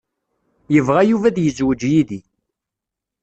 Yebɣa Yuba ad yezweǧ yid-i.